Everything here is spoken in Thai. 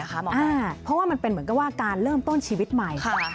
เพราะว่ามันเป็นเหมือนกับว่าการเริ่มต้นชีวิตใหม่